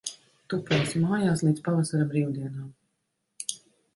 Tupēsi mājās līdz pavasara brīvdienām.